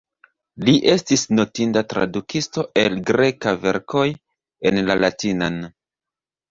Li estis notinda tradukisto el grekaj verkoj en la latinan.